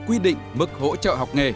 quy định mức hỗ trợ học nghề